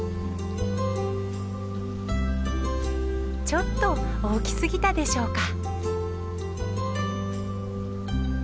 ちょっと大きすぎたでしょうか。